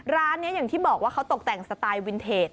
ร้านนี้อย่างที่บอกว่าเขาตกแต่งสไตล์วินเทจ